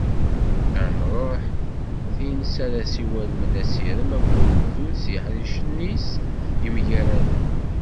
Ad nruḥ tin s ara iwalmen asirem akk n wegdud s yeḥricen-is yemgaraden.